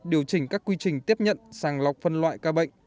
điều chỉnh các quy trình tiếp nhận sàng lọc phân loại ca bệnh